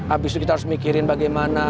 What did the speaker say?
abis itu kita harus mikirin bagaimana